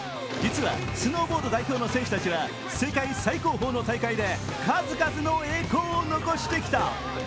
実はスノーボード代表の選手たちは世界最高峰の大会で数々の栄光を残してきた。